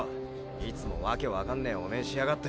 いつも訳分かんねえお面しやがって。